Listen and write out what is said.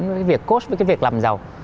với cái việc course với cái việc làm giàu